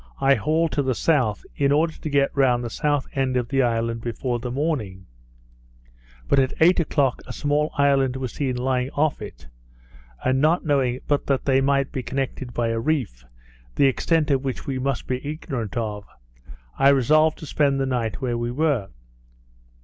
I hauled to the south, in order to get round the south end of the island before the morning; but at eight o'clock a small island was seen lying off it, and not knowing but they might be connected by a reef, the extent of which we must be ignorant of, I resolved to spend the night where we were.